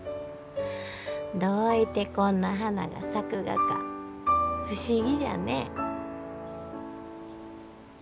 どういてこんな花が咲くがか不思議じゃね。